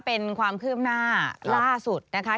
เป็นความคืบหน้าล่าสุดนะคะ